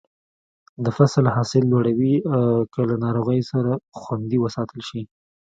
د فصل حاصل لوړوي که له ناروغیو خوندي وساتل شي.